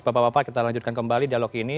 bapak bapak kita lanjutkan kembali dialog ini